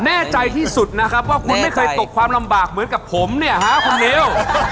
แน่ใจที่สุดนะครับว่าคุณไม่เคยตกความลำบากเหมือนกับผมเนี่ยฮะคุณนิว